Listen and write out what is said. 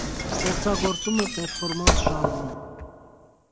Ստեղծագործում է պերֆորմանս ժանրում։